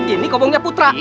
ini kobongnya putra